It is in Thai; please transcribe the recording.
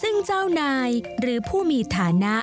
ซึ่งเจ้านายหรือผู้มีฐานะ